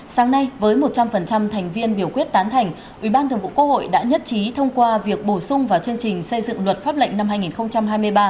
sáng nay với một trăm linh thành viên biểu quyết tán thành ubthqh đã nhất trí thông qua việc bổ sung vào chương trình xây dựng luật pháp lệnh năm hai nghìn hai mươi ba